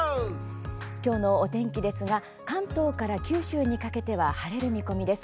今日のお天気ですが関東から九州にかけては晴れる見込みです。